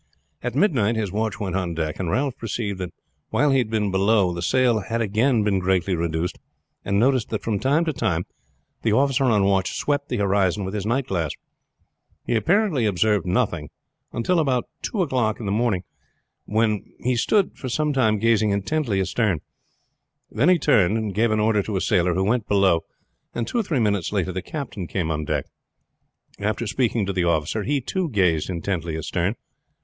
At midnight his watch went on deck, and Ralph perceived that while he had been below the sail had again been greatly reduced, and noticed that from time to time the officer on watch swept the horizon with his night glass. He apparently observed nothing until about two o'clock, when he stood for some time gazing intently astern. Then he turned, gave an order to a sailor, who went below, and two or three minutes later the captain came on deck. After speaking to the officer he too gazed intently astern.